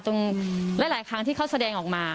หลายครั้งที่เขาแสดงออกมา